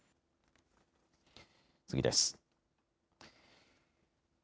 次です。